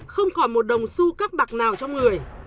không còn một đồng su các bạc nào trong người